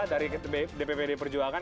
dari dppd perjuangan